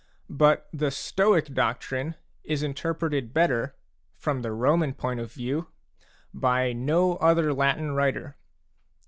But the Stoic doctrine is interpreted better, from the Roman point of view, by no other Latin writer.